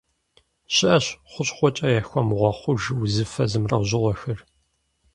Щыӏэщ хущхъуэкӏэ яхуэмыгъэхъуж узыфэ зэмылӏэужьыгъуэхэр.